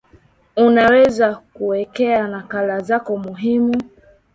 Unaweza kuwekea nakala zako muhimu